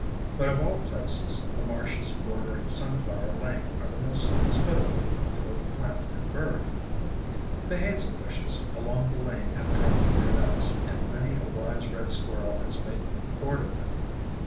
But of all places, the marshes bordering Sunflower Lane are the most hospitable to both plant and bird. The Hazel Bushes along the lane have dropped AFTERMATH 323 their nuts, and many a wise red squirrel has made hoard of them.